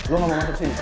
lo gak mau masuk sini